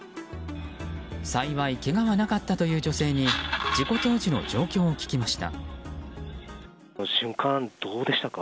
幸いけがはなかったという女性に事故当時の状況を聞きました。